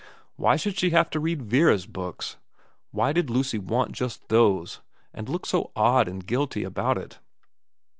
Why should she have to read Vera's books ? Why did Lucy want just those, and look so odd and guilty about it